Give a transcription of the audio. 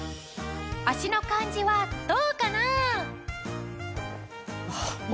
足の感じはどうかな？